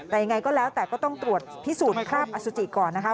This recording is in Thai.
แต่ยังไงก็แล้วแต่ก็ต้องตรวจพิสูจน์คราบอสุจิก่อนนะคะ